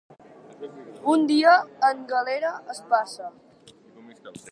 Un dia, en galera es passa.